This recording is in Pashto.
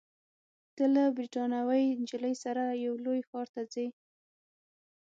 ته له بریتانوۍ نجلۍ سره یو لوی ښار ته ځې.